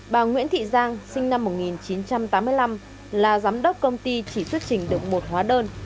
bà nguyễn thị giang sinh năm một nghìn chín trăm tám mươi năm là giám đốc công ty chỉ xuất trình được một hóa đơn